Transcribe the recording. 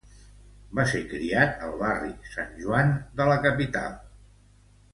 Va ser criat al barri San Juan de la capital.